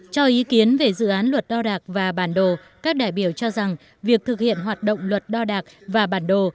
cho ý kiến về dự án luật đo đạc và bản đồ các đại biểu cho rằng việc thực hiện hoạt động luật đo đạc và bản đồ